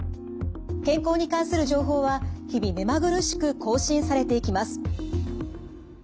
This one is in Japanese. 健康に関する情報は日々目まぐるしく更新されていきます。